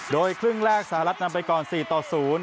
โดยครึ่งแรกสหรัฐนำไปก่อน๔ต่อ๐